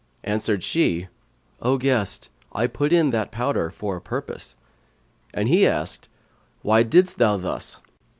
Answered she, "O guest, I put in that powder for a purpose;" and he asked, "And why didst thou thus?"